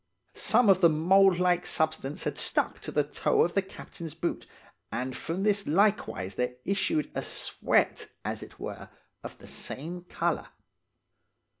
Some of the mould like substance had stuck to the toe of the captain's boot, and from this likewise there issued a sweat, as it were, of the same colour.